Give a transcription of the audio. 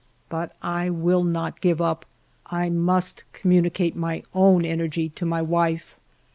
But I will not give up ; I must communicate my own energy to my wife.